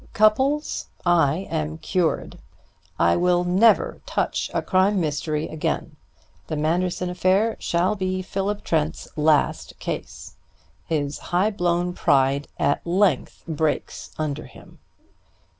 "Cupples, I am cured. I will never touch a crime mystery again. The Manderson affair shall be Philip Trent's last case. His high blown pride at length breaks under him."